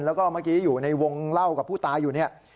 แล้วก็เมื่อกี้อยู่ในวงเล่ากับผู้ตายอยู่เนี่ย